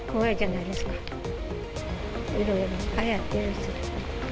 いろいろはやってるし。